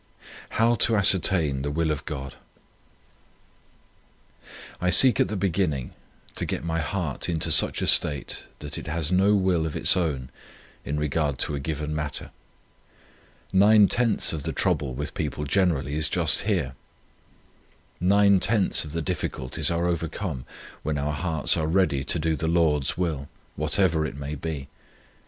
HOW TO ASCERTAIN THE WILL OF GOD I seek at the beginning to get my heart into such a state that it has no will of its own in regard to a given matter. Nine tenths of the trouble with people generally is just here. Nine tenths of the difficulties are overcome when our hearts are ready to do the Lord's will, whatever it may be.